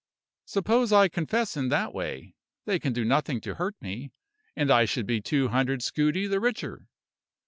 Suppose I confess in that way; they can do nothing to hurt me, and I should be two hundred scudi the richer.